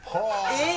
えっ！